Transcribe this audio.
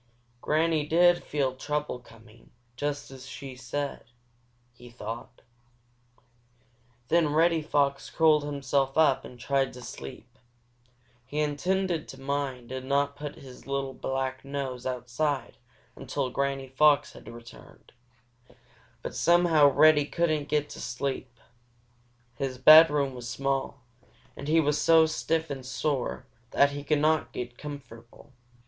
"Granny did feel trouble coming, just as she said," he thought. Then Reddy Fox curled himself up and tried to sleep. He intended to mind and not put his little black nose outside until old Granny Fox returned. But somehow Reddy couldn't get to sleep. His bedroom was small, and he was so stiff and sore that he could not get comfortable.